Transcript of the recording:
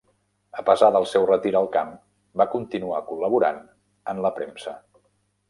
A pesar del seu retir al camp, va continuar col·laborant en la premsa.